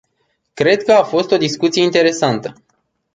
Cred că a fost o discuție interesantă.